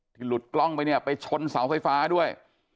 หลุดกล้องไปเนี่ยไปชนเสาไฟฟ้าด้วย